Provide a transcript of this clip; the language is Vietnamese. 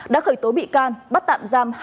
đã khởi tố bị can bắt tạm giam